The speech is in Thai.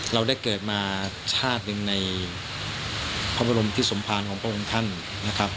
เราได้เกิดมาชาติหนึ่งในพระบรมทิศสมภารของพระองค์ท่านนะครับ